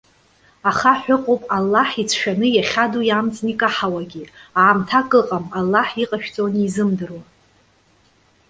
Ахаҳә ыҟоуп Аллаҳ ицәшәаны иахьаду иамҵны икаҳауагьы. Аамҭак ыҟам, Аллаҳ иҟашәҵо анизымдыруа.